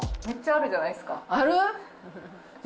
めっちゃあるじゃないですか。